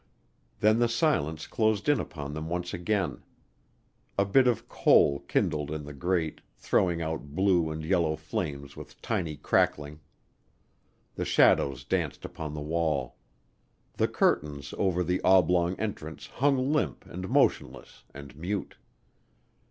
Then the silence closed in upon them once again. A bit of coal kindled in the grate, throwing out blue and yellow flames with tiny crackling. The shadows danced upon the wall. The curtains over the oblong entrance hung limp and motionless and mute.